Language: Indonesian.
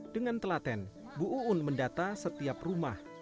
dengan telaten bu uun mendata setiap rumah